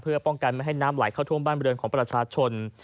เพื่อป้องกันไม่ให้น้ำไหลเข้าท่วมบ้านบริเวณของประชาชน